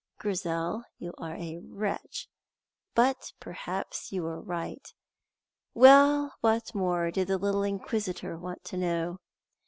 "Grizel, you are a wretch, but perhaps you were right. Well, what more did the little inquisitor want to know?"